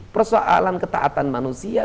persoalan ketaatan manusia